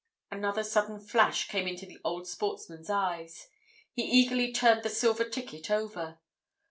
Another sudden flash came into the old sportsman's eyes—he eagerly turned the silver ticket over.